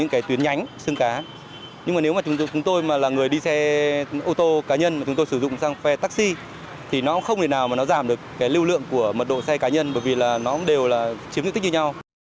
nhưng mà nếu mà chúng tôi là người đi xe ô tô cá nhân mà chúng tôi sử dụng sang xe taxi thì nó không thể nào mà nó giảm được cái lưu lượng của mật độ xe cá nhân bởi vì nó đều là chiếm những tích như nhau